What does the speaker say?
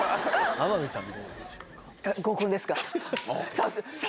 天海さん